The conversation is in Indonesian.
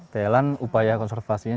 thailand upaya konservasinya